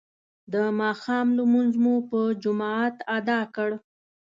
د ماښام لمونځ مو په جماعت ادا کړ.